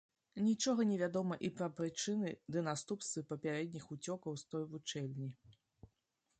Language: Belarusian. Нічога не вядома і пра прычыны ды наступствы папярэдніх уцёкаў з той вучэльні.